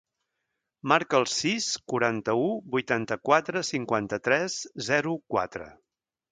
Marca el sis, quaranta-u, vuitanta-quatre, cinquanta-tres, zero, quatre.